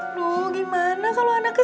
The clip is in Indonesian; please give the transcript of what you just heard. aduh gimana kalo anak kesayangan aku stres